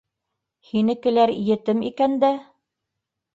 Һинекеләр етем икән дә?!